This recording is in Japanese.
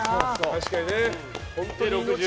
確かにね。